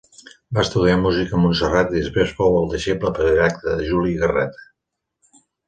Va estudiar música a Montserrat i després fou el deixeble predilecte de Juli Garreta.